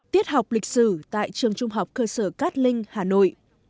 tiết học lịch sử tại trường trung học cơ sở cát linh hà nội